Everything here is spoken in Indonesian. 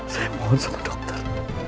saya mohon sama dokter